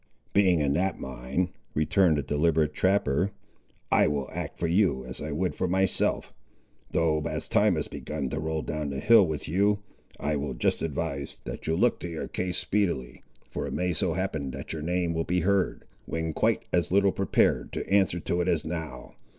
"Being in that mind," returned the deliberate trapper, "I will act for you as I would for myself; though as time has begun to roll down the hill with you, I will just advise that you look to your case speedily, for it may so happen that your name will be heard, when quite as little prepared to answer to it as now."